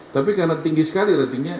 tapi karena tinggi sekali ratingnya